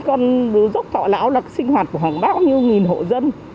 chốt cứng trên phố thảo lão là sinh hoạt của hàng bao nhiêu nghìn hộ dân